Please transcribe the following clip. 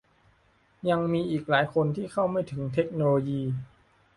ยังมีอีกหลายคนที่เข้าไม่ถึงเทคโนโลยี